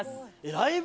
ライブ